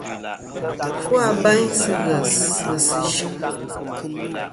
Fu abayn sɨ̂ ghès ghèsɨ̀ yɨ.